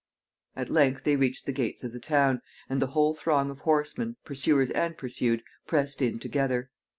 At length they reached the gates of the town, and the whole throng of horsemen, pursuers and pursued, pressed in together.